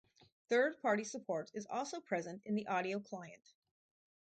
Third-party support is also present in the audio client.